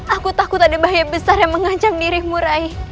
aku takut ada bahaya besar yang mengancam dirimu rai